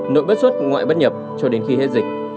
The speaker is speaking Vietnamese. nội bất xuất ngoại bất nhập cho đến khi hết dịch